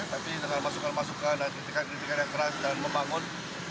tapi dengan masukan masukan dan kritikan kritikan yang keras dan membangun